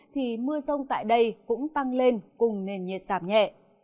thì mưa rông tại đây cũng tăng lên cùng nền nhiệt giảm nhẹ